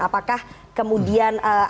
apakah kemudian akan terjadi kesehatan